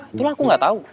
itulah aku gak tau